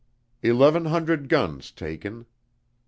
Eleven hundred guns taken.